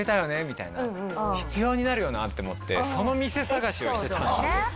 みたいな必要になるよなって思ってその店探しをしてたんですよ